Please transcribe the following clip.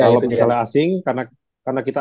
kalau misalnya asing karena kita